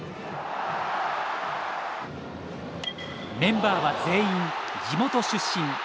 メンバーは全員地元出身。